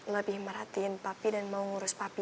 lebih merhatiin papi dan mau ngurus papi